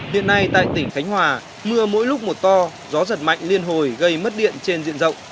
hiện nay tại tỉnh khánh hòa mưa mỗi lúc một to gió giật mạnh liên hồi gây mất điện trên diện rộng